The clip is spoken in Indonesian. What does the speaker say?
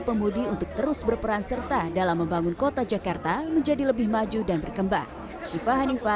pemudi untuk terus berperan serta berpengalaman di dunia jurnalisme dan juga di dunia sosial media